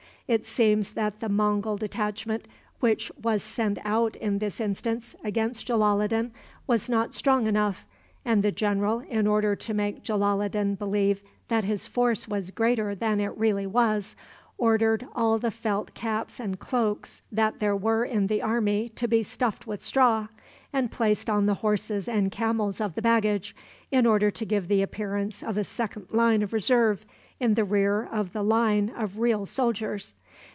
It seems that the Mongul detachment which was sent out in this instance against Jalaloddin was not strong enough, and the general, in order to make Jalaloddin believe that his force was greater than it really was, ordered all the felt caps and cloaks that there were in the army to be stuffed with straw, and placed on the horses and camels of the baggage, in order to give the appearance of a second line of reserve in the rear of the line of real soldiers.